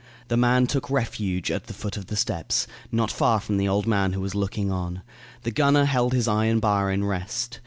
The man took refuge at the foot of the steps, not far from the old man who was looking on. The gunner held his iron bar in rest.